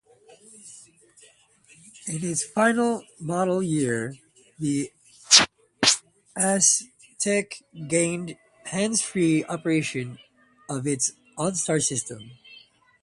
In its final model year, the Aztek gained hands-free operation of its On-Star system.